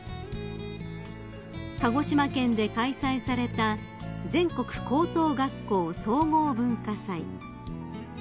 ［鹿児島県で開催された全国高等学校総合文化祭］